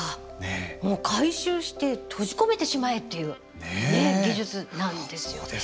もう回収して閉じ込めてしまえっていう技術なんですよね。